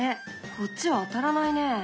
こっちは当たらないね。